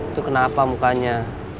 itu kenapa mukanya